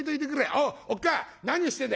おうおっかあ何してんだよ。